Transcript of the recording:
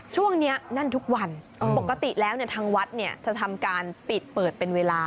ช่วงนี้แน่นทุกวันปกติแล้วทางวัดเนี่ยจะทำการปิดเปิดเป็นเวลา